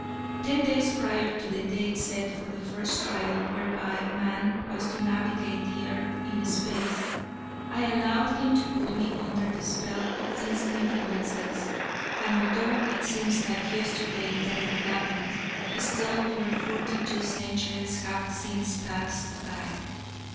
Ten days prior to the date set for the first trial whereby man was to navigate the earth in space, I allowed him to put me under the spell of these influences, and although it seems like yesterday that it happened, still over forty two centuries have since passed by.